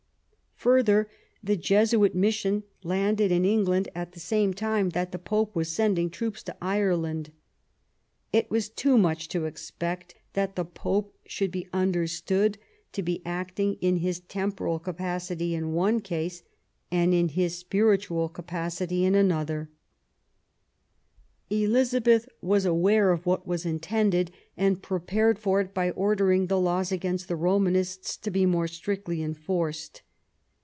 Further, the Jesuit mission landed in England at the same time that the Pope was sending troops to Ireland. It was too much to expect that the Pope should be understood to be acting in his temporal capacity in one case, and in his spiritual capacity in another. THE ALENgON MARRIAGE, 197 Elizabeth was aware of what was intended, and prepared for it by ordering the laws against the Romanists to be more strictly enforced.